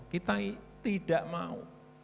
kita tidak mau